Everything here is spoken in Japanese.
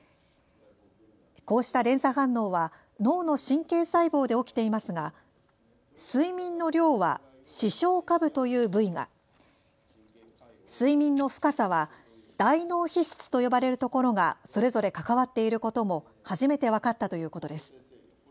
こうした連鎖反応は脳の神経細胞で起きていますが睡眠の量は視床下部という部位が、睡眠の深さは大脳皮質と呼ばれるところがそれぞれ関わっていることも初めて分かったということです。